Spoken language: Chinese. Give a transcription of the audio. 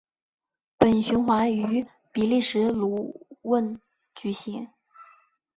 本循环于比利时鲁汶举行。